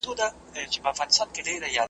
له لګېدلو سره توپیر وسي